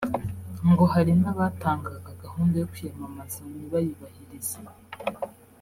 ngo hari n’abatangaga gahunda yo kwiyamamaza ntibayubahirize